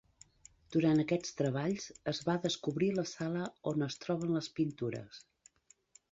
Durant aquests treballs, es va descobrir la sala on es troben les pintures.